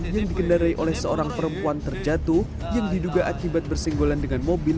yang dikendarai oleh seorang perempuan terjatuh yang diduga akibat bersenggolan dengan mobil